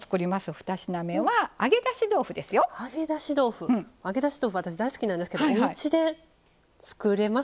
２つ目は揚げだし豆腐、私大好きなんですけどおうちで作れます？